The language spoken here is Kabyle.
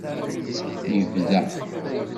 Yebda.